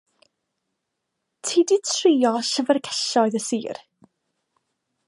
Ti 'di trio llyfrgelloedd y sir?